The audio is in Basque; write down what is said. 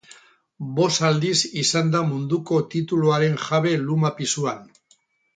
Bost aldiz izan da munduko tituloaren jabe luma pisuan.